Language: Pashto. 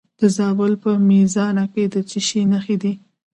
د زابل په میزانه کې د څه شي نښې دي؟